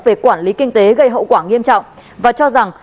về quản lý kinh tế gây hậu quả nghiêm trọng và cho rằng